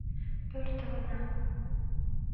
Пӧртылынам.